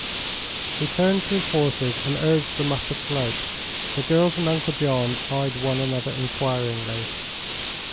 He turned to his horses and urged them up a slope. The girls and Uncle John eyed one another enquiringly.